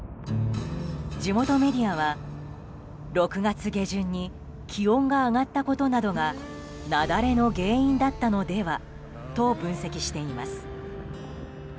地元メディアは６月下旬に気温が上がったことなどが雪崩の原因だったのではと分析しています。